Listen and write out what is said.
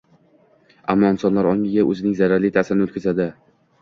ammo insonlar ongiga o‘zining zararli ta’sirini o‘tkazdi